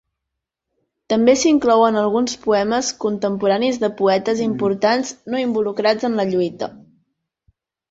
També s'inclouen alguns poemes contemporanis de poetes importants no involucrats en la lluita.